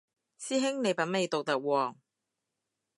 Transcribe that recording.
師兄你品味獨特喎